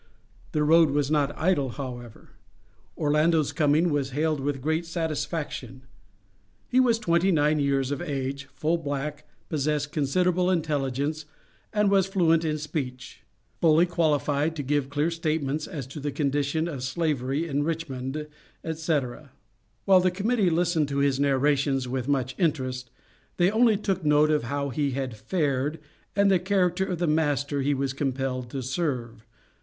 The road was not idle, however. Orlando's coming was hailed with great satisfaction. He was twenty nine years of age, full black, possessed considerable intelligence, and was fluent in speech; fully qualified to give clear statements as to the condition of Slavery in Richmond, etc. While the Committee listened to his narrations with much interest, they only took note of how he had fared, and the character of the master he was compelled to serve.